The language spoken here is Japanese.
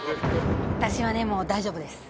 私はねもう大丈夫です。